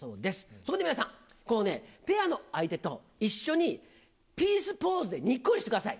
そこで皆さん、このね、ペアの相手と一緒にピースポーズでにっこりしてください。